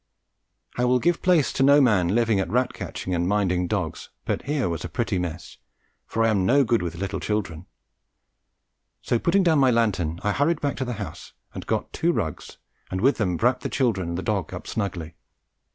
I will give place to no man living at rat catching and minding dogs, but here was a pretty mess, for I am no good with little children; so putting down my lantern, I hurried back to the house and got two rugs and with them wrapped the children and dog up snugly.